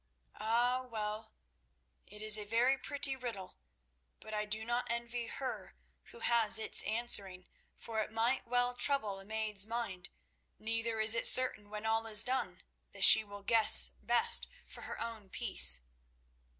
"Ah, well; it is a very pretty riddle. But I do not envy her who has its answering, for it might well trouble a maid's mind, neither is it certain when all is done that she will guess best for her own peace.